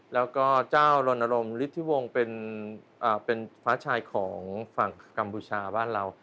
แล้วก็เจ้าลนรงค์ฤทธิวงศ์เป็นฟ้าชายของฝั่งกัมพูชาบ้านเรา